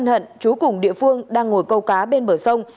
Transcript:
nguyễn văn hận chú cùng địa phương đang ngồi câu cá bên bờ sông